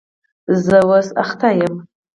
زه اوس بوخت یم.